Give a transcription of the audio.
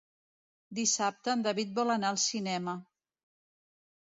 Dissabte en David vol anar al cinema.